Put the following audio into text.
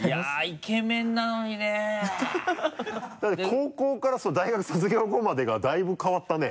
高校から大学卒業後までがだいぶ変わったね。